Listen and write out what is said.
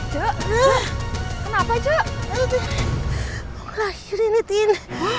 siapa dingen yang kita nihh faitin